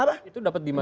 itu dapat dari mana